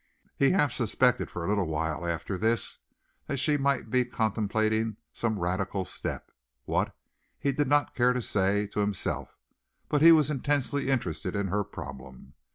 He half suspected for a little while after this that she might be contemplating some radical step what, he did not care to say to himself, but he was intensely interested in her problem.